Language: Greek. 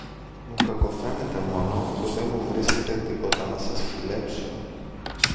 Μου κακοφαίνεται μόνο που δε μου βρίσκεται τίποτα να σας φιλέψω